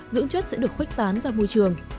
dưỡng chất sẽ được khuếch tán ra môi trường